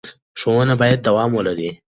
ښوونه باید دوام ولري.